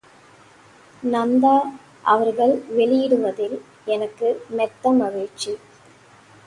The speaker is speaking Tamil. நந்தா அவர்கள் வெளியிடுவதில் எனக்கு மெத்த மகிழ்ச்சி.